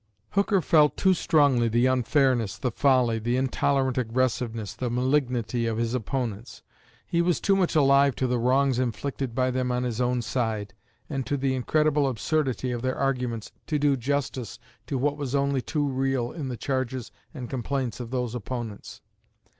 Hooker felt too strongly the unfairness, the folly, the intolerant aggressiveness, the malignity of his opponents he was too much alive to the wrongs inflicted by them on his own side, and to the incredible absurdity of their arguments to do justice to what was only too real in the charges and complaints of those opponents.